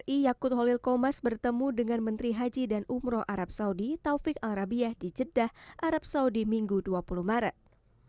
i yakut holil komas bertemu dengan menteri haji dan umroh arab saudi taufik al rabiah di jeddah arab saudi minggu dua puluh maret